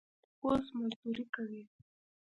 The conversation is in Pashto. اوس مزدوري کوي.